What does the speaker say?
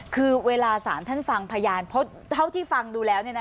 คือเวลาสารท่านฟังพยานเพราะเท่าที่ฟังดูแล้ว